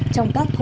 trong các dịch vụ